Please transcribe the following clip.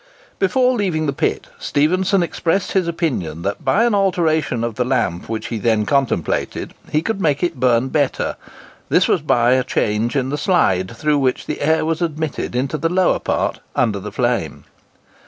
Before leaving the pit, Stephenson expressed his opinion that by an alteration of the lamp which he then contemplated, he could make it burn better; this was by a change in the slide through which the air was admitted into the lower part, under the flame.